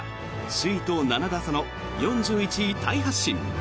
首位と７打差の４１位タイ発進。